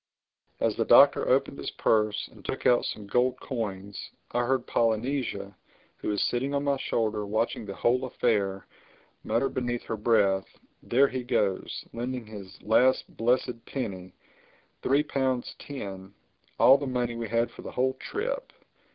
As the Doctor opened his purse and took out some gold coins I heard Polynesia, who was sitting on my shoulder watching the whole affair, mutter beneath her breath, "There he goes—lending his last blessed penny—three pounds ten—all the money we had for the whole trip!